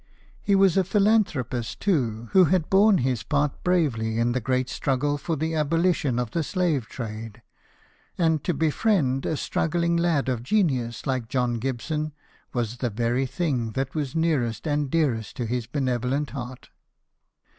He was a philanthropist, too, who had borne his part bravely in the great struggle for the abolition of the slave trade ; and to befriend a struggling lad of genius like John Gibson was the very thing that was nearest and dearest to his benevolent heart.